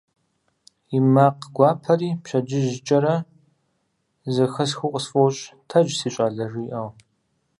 И макъ гуапэри пщэдджыжькӏэрэ зэхэсхыу къысфӏощӏ: «Тэдж, си щӏалэ», - жиӏэу.